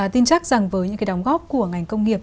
tin chắc rằng với những cái đóng góp của ngành công nghiệp